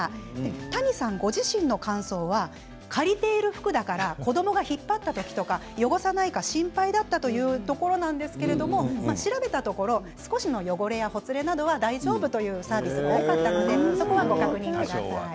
谷さん、ご自身の感想は借りている服だから子どもが引っ張った時とか汚さないか心配だったということなんですが調べたところ少しの汚れやほつれは大丈夫というサービスが多かったのでそこはご確認ください。